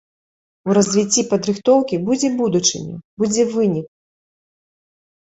У развіцці падрыхтоўкі будзе будучыня, будзе вынік.